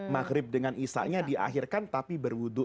maghrib dengan isanya diakhirkan tapi berwudhu